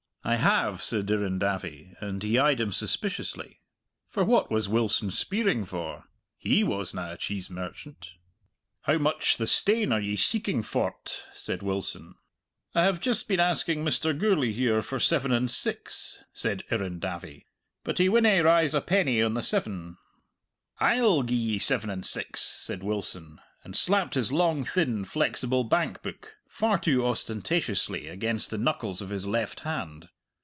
"I have," said Irrendavie, and he eyed him suspiciously. For what was Wilson speiring for? He wasna a cheese merchant. "How much the stane are ye seeking for't?" said Wilson. "I have just been asking Mr. Gourlay here for seven and six," said Irrendavie, "but he winna rise a penny on the seven!" "I'll gi'e ye seven and six," said Wilson, and slapped his long thin flexible bank book far too ostentatiously against the knuckles of his left hand.